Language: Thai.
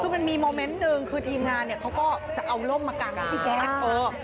คือมันมีโมเมนต์หนึ่งคือทีมงานเนี่ยเขาก็จะเอาร่มมากางนะพี่แจ๊ค